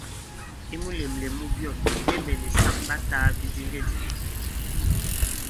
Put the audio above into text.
I mulèmlèm mu byɔ̂ŋ, Tembɛ̀ nì saŋ ɓa tāā bidiŋgɛdìŋgɛ̀.